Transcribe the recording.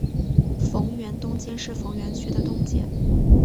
逢源东街是逢源区的东界。